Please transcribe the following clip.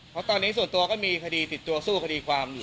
เพราะตอนนี้ส่วนตัวก็มีคดีติดตัวสู้คดีความอยู่